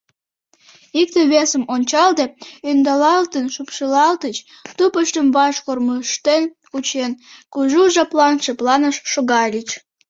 Икте-весым ончалде, ӧндалалтын шупшалалтыч, тупыштым ваш кормыжтен кучен, кужу жаплан шыпланен шогальыч.